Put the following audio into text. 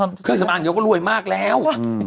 เครื่องสำอางเดี๋ยวก็รวยมากแล้ว